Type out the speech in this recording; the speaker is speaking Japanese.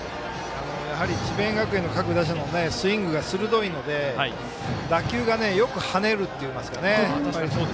智弁学園の各打者のスイングが鋭いので打球がよく跳ねるといいますかね。